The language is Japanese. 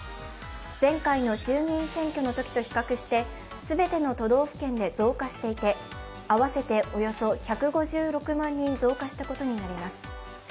前回の衆議院選挙のときと比較して全ての都道府県で増加していて、合わせておよそ１５６万人増加したことになります。